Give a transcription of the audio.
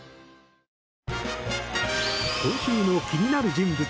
今週の気になる人物